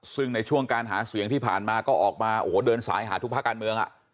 ซึ่งในช่วงการหาเสียงที่ผ่านมาก็ออกมาโอ้โหเดินสายหาทุกภาคการเมือง